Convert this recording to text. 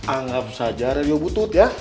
anggap saja radio butut ya